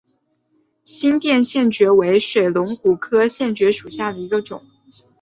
新店线蕨为水龙骨科线蕨属下的一个种。